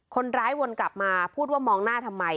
วนกลับมาพูดว่ามองหน้าทำไม